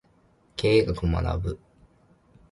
経営学を学ぶ